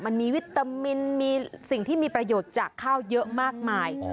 วิตามินมีสิ่งที่มีประโยชน์จากข้าวเยอะมากมาย